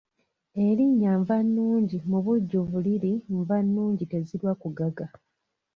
Erinnya Nvannungi mu bujjuvu liri Nvannungi tezirwa kugaga.